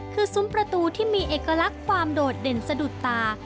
คือซุ้มประตูที่มีเอกลักษณ์ความโดดเด่นสะดุดตา